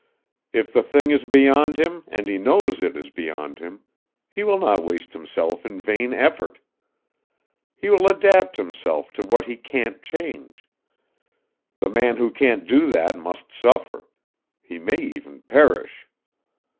If the thing is beyond him and he knows it is beyond him, he will not waste himself in vain effort. He will adapt himself to what he can't change. The man who can't do that must suffer. He may even perish.